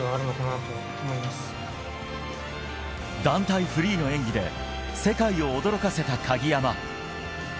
団体フリーの演技で世界を驚かせた鍵山。